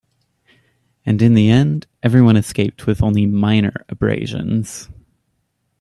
And in the end, everyone escaped with only minor abrasions.